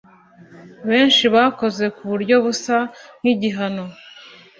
benshi bakoze ku buryo busa nk ‘igihano